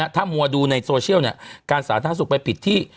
ถ้ามัวดูในโซเชียลการสาธารณสุขไปผิดที่